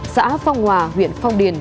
xã phong hòa huyện phong điền